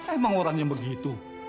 emang orangnya begitu